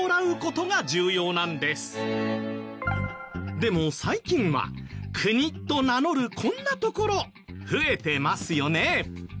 でも最近は国と名乗るこんな所増えてますよね。